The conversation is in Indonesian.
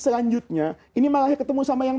selanjutnya ini malah ketemu sama yang